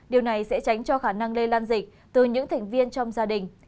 điều này sẽ tránh cho khả năng lây lan dịch từ những thành viên trong gia đình